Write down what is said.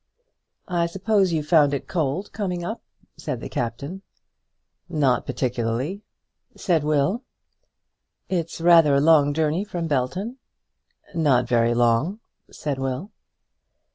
"I suppose you found it cold coming up?" said the captain. "Not particularly," said Will. "It's rather a long journey from Belton." "Not very long," said Will.